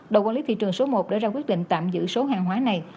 đội quản lý thị trường số một đã ra quyết định tạm giữ số hàng hóa này